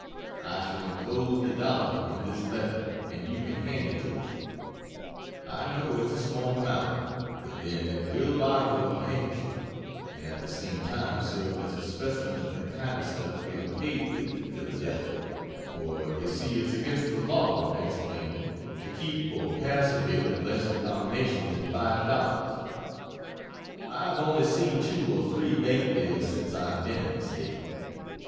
I shall enclose the dollar in this letter, and you can hand it to her. I know it's a small amount, but then it will buy her a handkerchief, and at the same time serve as a specimen of the kind of stuff we are paid with in Philadelphia, for you see it's against the law, in Pennsylvania, to keep or pass a bill of less denomination than $5. I have only seen two or three bank bills since I have been in the State.